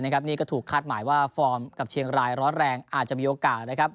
นี่ก็ถูกคาดหมายว่าฟอร์มกับเชียงรายร้อนแรงอาจจะมีโอกาสนะครับ